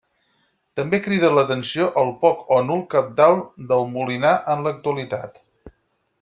També crida l'atenció el poc o nul cabdal del Molinar en l'actualitat.